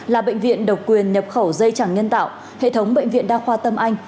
là bệnh viện độc quyền nhập khẩu dây chẳng nhân tạo hệ thống bệnh viện đa khoa tâm anh